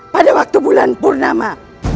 pada waktu bulan purnama